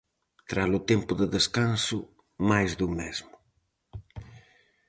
Tralo tempo de descanso, máis do mesmo.